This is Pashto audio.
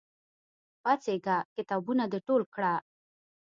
پاڅېږه! کتابونه د ټول کړه!